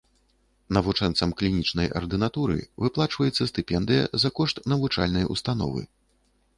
Навучэнцам клінічнай ардынатуры выплачваецца стыпендыя за кошт навучальнай установы.